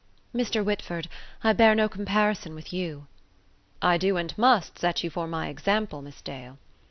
"Mr. Whitford, I bear no comparison with you." "I do and must set you for my example, Miss Dale."